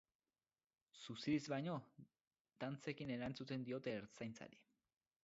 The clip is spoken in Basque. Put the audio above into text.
Suziriz baino, dantzekin erantzuten diote Ertzaintzari.